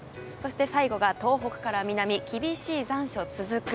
最後は、東北から南厳しい残暑続く。